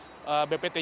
bptj masih mengkaitkan